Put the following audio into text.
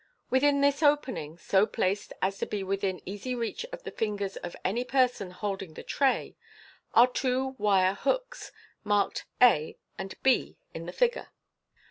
Within this opening, so placed as to be within easy reach of the fingers of any person holding the tray, are two wire Ijouks, marked a and b in the figure.